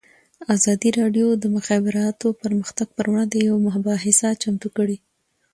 ازادي راډیو د د مخابراتو پرمختګ پر وړاندې یوه مباحثه چمتو کړې.